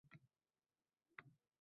Aql ko’zi ochildi.